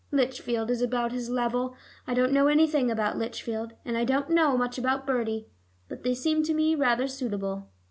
Lichfield is about his level. I don't know anything about Lichfield, and I don't know much about Bertie. But they seem to me rather suitable.